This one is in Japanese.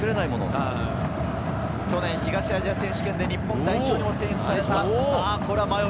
去年、東アジア選手権で日本代表にも選出されました。